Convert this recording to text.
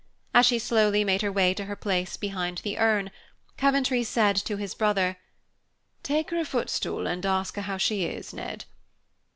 As she slowly made her way to her place behind the urn, Coventry said to his brother, "Take her a footstool, and ask her how she is, Ned."